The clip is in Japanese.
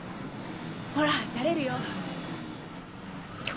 ほらたれるよ。